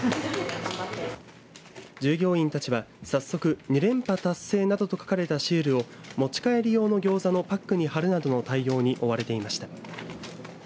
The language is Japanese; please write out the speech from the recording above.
従業員たちは早速２連覇達成などと書かれたシールを持ち帰り用のギョーザのパックに貼るなどの対応に追われていました。